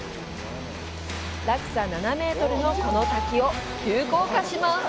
落差７メートルのこの滝を急降下します！